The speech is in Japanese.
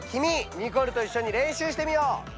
ニコルといっしょに練習してみよう！